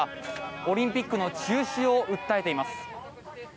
オリンピックの中止を訴えています。